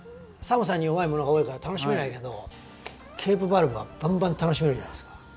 寒さに弱いものが多いから楽しめないけどケープバルブはバンバン楽しめるじゃないですか。